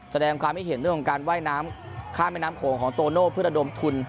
แสดงความคิดเห็นเรื่องของการว่ายน้ำข้ามแม่น้ำโขงของโตโน่เพื่อระดมทุน